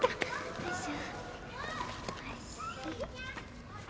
よいしょ。